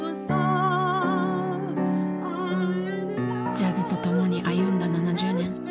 ジャズとともに歩んだ７０年。